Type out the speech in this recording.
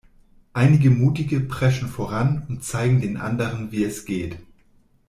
Einige Mutige preschen voran und zeigen den anderen, wie es geht.